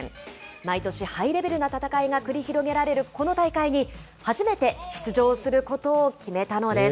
毎年ハイレベルな戦いが繰り広げられるこの大会に、初めて出場することを決めたのです。